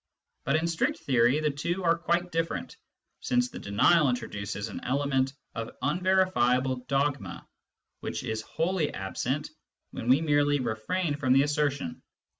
But in strict theory the two are quite different, since the denial introduces an element of unverifiable dogma which is wholly absent when we merely refrain from the assertion.